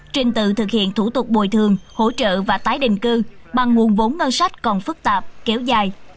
trình tự thực hiện thủ tục bồi thường hỗ trợ và tái định cư bằng nguồn vốn ngân sách còn phức tạp kéo dài